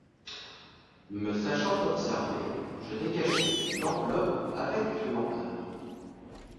Me sachant observée, je décachette l’enveloppe avec lenteur.